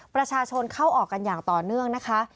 ประชาชนเข้าออกกันอย่างต่อเนื่องนะคะ